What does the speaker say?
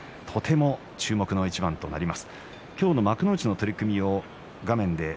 注目の一番となります。